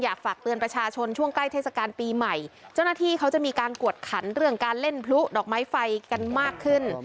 อยากฝากเตือนประชาชนช่วงใกล้เทศกาลปีใหม่เจ้าหน้าที่เขาจะมีการกวดขันเรื่องการเล่นพลุดอกไม้ไฟกันมากขึ้น